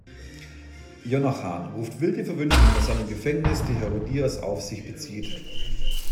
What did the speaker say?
Jochanaan ruft wilde Verwünschungen aus seinem Gefängnis, die Herodias auf sich bezieht.